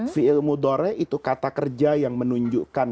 fi'il mudhore itu kata kerja yang menunjukkan